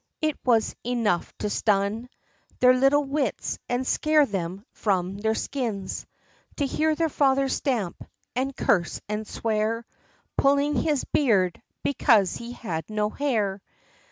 it was enough to stun Their little wits and scare them from their skins To hear their father stamp, and curse, and swear, Pulling his beard because he had no heir.